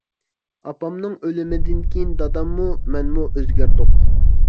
ئاپامنىڭ ئۆلۈمىدىن كېيىن داداممۇ، مەنمۇ ئۆزگەردۇق.